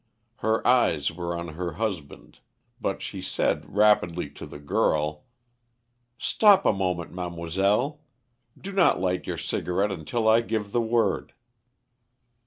Her eyes were on her husband, but she said rapidly to the girl " "Stop a moment, mademoiselle. Do not light your cigarette until I give the word."